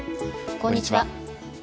こんにちは。